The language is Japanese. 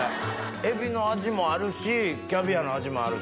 エビの味もあるしキャビアの味もあるし。